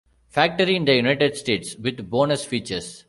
Factory in the United States, with bonus features.